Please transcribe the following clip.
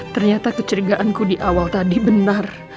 ternyata kecurigaanku di awal tadi benar